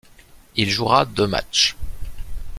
Il jouera deux matchs.